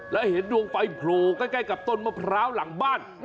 แล้วเห็นดวงไฟโผล่ใกล้กับต้นมะพร้าวหลังบ้าน